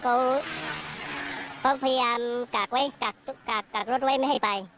เขาพยายามกากรถไว้ไม่ให้ไป